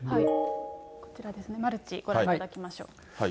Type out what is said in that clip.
こちらですね、マルチご覧いただきましょう。